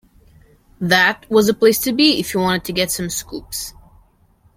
That was the place to be if you wanted to get some scoops.